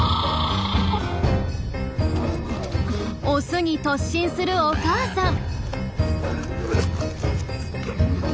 オスに突進するお母さん。